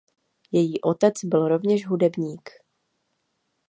Její otec byl rovněž hudebník.